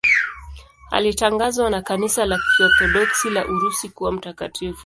Alitangazwa na Kanisa la Kiorthodoksi la Urusi kuwa mtakatifu.